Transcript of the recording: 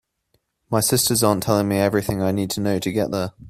My sisters aren’t telling me everything I need to know to get there.